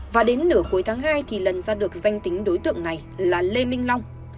và đến nửa cuối tháng hai thì lần ra được danh tính đối tượng này là lê minh long